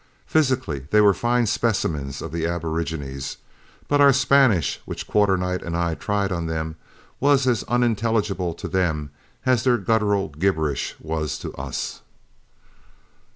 Physically, they were fine specimens of the aborigines. But our Spanish, which Quarternight and I tried on them, was as unintelligible to them as their guttural gibberish was to us.